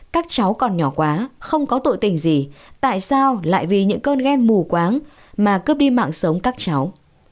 các cháu còn nhỏ quá không có tội tình gì tại sao lại vì những cơn ghe mù quáng mà cướp đi mạng sống các cháu